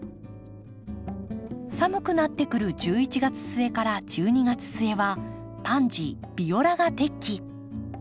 寒くなってくる１１月末１２月末はパンジービオラが適期。